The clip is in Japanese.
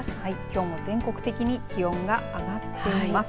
きょうも全国的に気温が上がっています。